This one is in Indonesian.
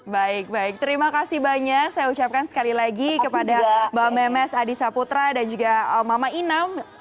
baik baik terima kasih banyak saya ucapkan sekali lagi kepada mbak memes adi saputra dan juga mama inam